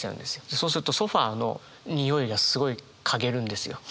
そうするとソファーのにおいがすごい嗅げるんですよ。